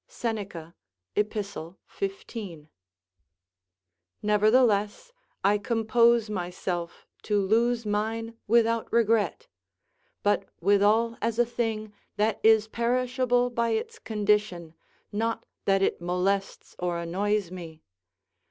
Seneca, Ep:, 15.] Nevertheless I compose myself to lose mine without regret; but withal as a thing that is perishable by its condition, not that it molests or annoys me.